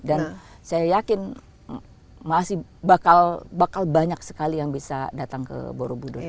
dan saya yakin masih bakal banyak sekali yang bisa datang ke borobudur